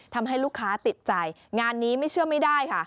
ทำให้ลูกค้าติดใจงานนี้ไม่เชื่อไม่ได้ค่ะ